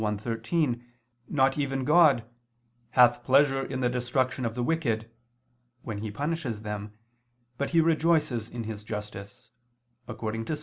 1:13, not even God "hath pleasure in the destruction of the wicked [Vulg.: 'living']" when He punishes them, but He rejoices in His justice, according to Ps.